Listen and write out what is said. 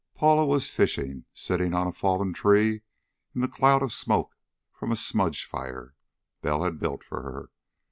Paula was fishing, sitting on a fallen tree in the cloud of smoke from a smudge fire Bell had built for her.